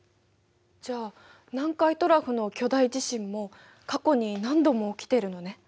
じゃあ南海トラフの巨大地震も過去に何度も起きてるのね？